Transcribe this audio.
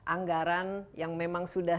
anggaran yang memang sudah